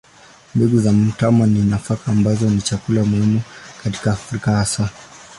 Mbegu za mtama ni nafaka ambazo ni chakula muhimu katika Afrika hasa.